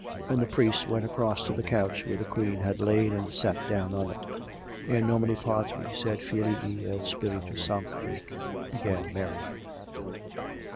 And the priest went across to the couch where the Queen had lain, and sat down on it. " In nomine Patris et Filii et Spiritus Sancti —•—" began 'Mary.